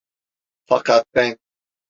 Fakat ben…